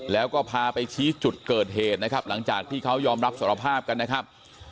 แล้วก็พาไปชี้จุดเกิดเหตุนะครับหลังจากที่เขายอมรับสารภาพกันนะครับ